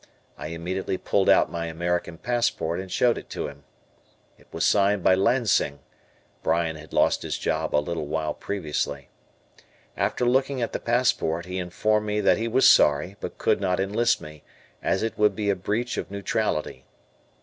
I immediately pulled out my American passport and showed it to him. It was signed by Lansing, Bryan had lost his job a little while previously. After looking at the passport, he informed me that he was sorry but could not enlist me, as it would be a breach of neutrality.